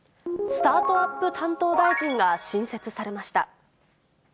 スタートアップ担当大臣が新設されました。